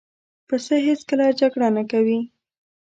پسه هېڅکله جګړه نه کوي.